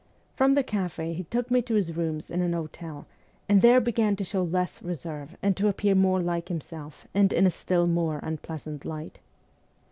From the cafe he took me to his rooms in an hotel, and there began to show less reserve and to appear more like himself and in a still more unpleasant light.